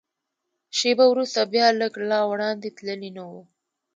شېبه وروسته بیا، لږ لا وړاندې تللي نه و.